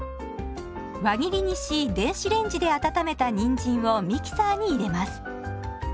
輪切りにし電子レンジで温めたにんじんをミキサーに入れます。